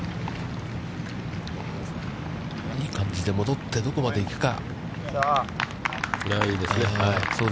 いい感じで戻って、どこまで行くか。